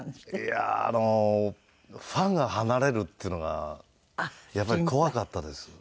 いやあのファンが離れるっていうのがやっぱり怖かったです。